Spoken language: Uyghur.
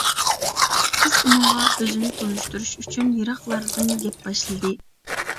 قىز ئۇنىڭغا ئۆزىنى تونۇشتۇرۇش ئۈچۈن يىراقلاردىن گەپ باشلىدى.